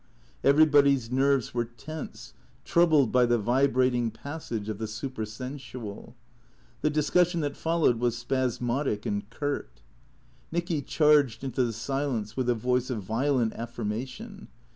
Everybody's nerves were tense, troubled by the vibrating passage of the supersensual. The discussion that followed was spasmodic and curt. Nicky charged into the silence with a voice of violent affirma tion.